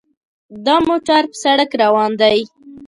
دا موټر په سړک روان دی.